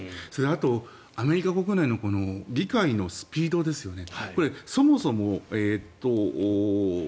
あと、アメリカ国内の議会のスピードですよね。